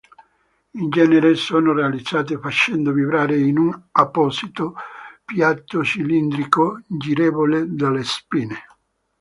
In genere sono realizzate facendo vibrare in un apposito piatto cilindrico girevole delle spine.